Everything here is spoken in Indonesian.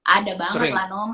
ada banget lah nom